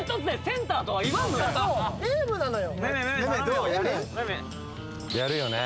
そうゲームなのよ